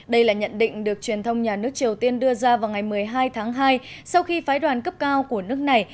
đây là nhận định được truyền thông nhà nước triều tiên đưa ra vào ngày một mươi hai tháng hai sau khi phái đoàn cấp cao của nước này